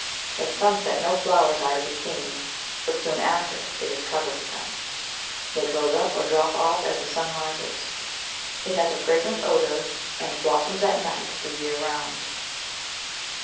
At sunset no flowers are to be seen, but soon after it is covered with them. They close up or drop off as the sun rises. It has a fragrant odor, and blossoms at night the year round.